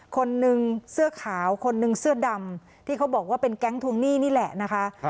คนนึงเสื้อขาวคนนึงเสื้อดำที่เขาบอกว่าเป็นแก๊งทวงหนี้นี่แหละนะคะ